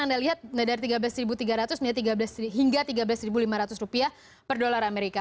anda lihat dari tiga belas tiga ratus hingga tiga belas lima ratus rupiah per dolar amerika